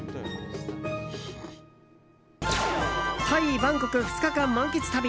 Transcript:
タイ・バンコク２日間満喫旅